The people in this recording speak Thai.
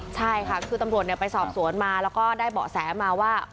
ใช่ค่ะคือตำรวจไปสอบสวนมาแล้วก็ได้เบาะแสมาว่า